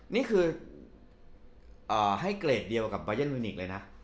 นี่คือให้เกรดเดียวกับบายันมิวนิกเลยนะ